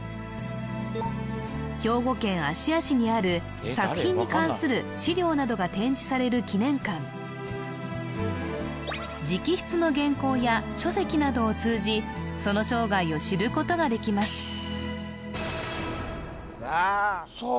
兵庫県芦屋市にある作品に関する資料などが展示される記念館直筆の原稿や書籍などを通じその生涯を知ることができますさあさあ